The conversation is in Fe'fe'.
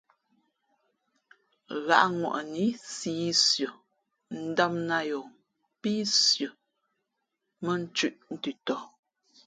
Ghǎʼŋwαʼnǐ siī sʉα ndām nāt yαα pí sʉα mᾱ nthʉ̄ʼ ntʉtɔ.